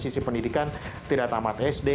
sisi pendidikan tidak tamat sd